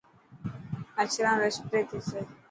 مڇران رو اسپري ٿيسي.